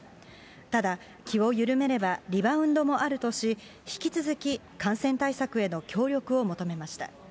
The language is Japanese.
ただ、気を緩めればリバウンドもあるとし、引き続き感染対策への協力を求めました。